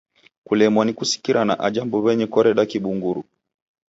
Kulemwa ni kusikirana aja mbuw'enyi koreda kibunguru.